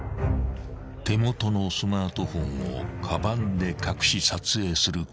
［手元のスマートフォンをかばんで隠し撮影する巧妙な手口］